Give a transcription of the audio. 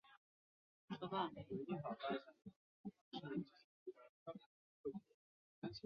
季姒又对公甫说公思展和申夜姑要挟她。